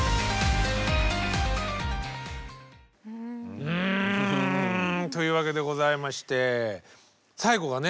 うんというわけでございまして最後がね